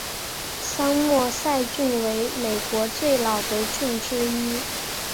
桑莫塞郡为美国最老的郡之一。